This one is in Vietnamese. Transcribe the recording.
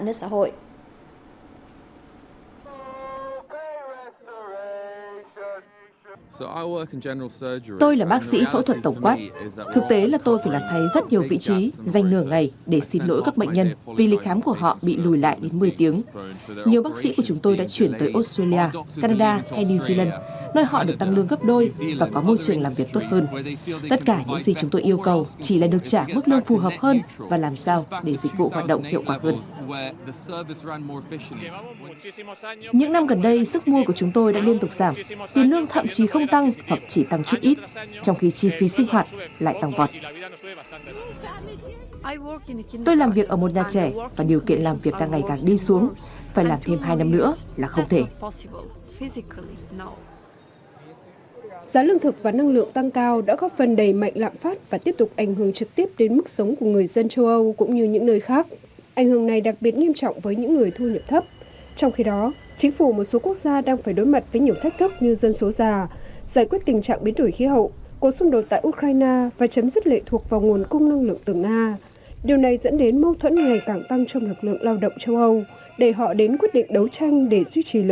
điều này dẫn đến mâu thuẫn ngày càng tăng trong lực lượng lao động châu âu để họ đến quyết định đấu tranh để duy trì lợi ích của mình trong chiếc bánh kinh tế đang dần nhọ lại